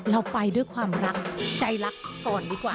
เราไปด้วยความรักใจรักก่อนดีกว่า